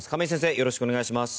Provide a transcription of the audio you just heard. よろしくお願いします。